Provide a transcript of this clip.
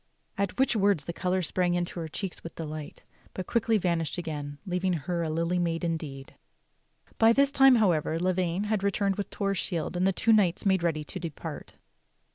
At which words the color sprang into her cheeks with delight, but quickly vanished again leaving her a Lily IMaid indeed. By this time, however, Lavaine had returned with Torre's shield, and the two knights made ready to depart.